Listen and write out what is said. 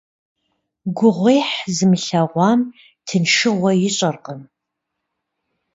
Гугъуехь зымылъэгъуам тыншыгъуэ ищӀэркъым.